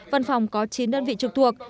văn phòng có chín đơn vị trực thuộc